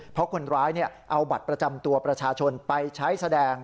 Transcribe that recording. เพราะคนร้ายเอาบัตรประจำตัวประชาชนไปใช้แสดง